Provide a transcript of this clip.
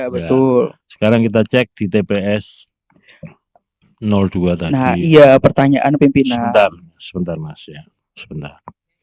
betul sekarang kita cek di tps dua tadi iya pertanyaan pimpinan sebentar mas ya sebentar